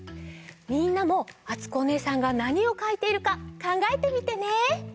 みんなもあつこおねえさんがなにをかいているかかんがえてみてね！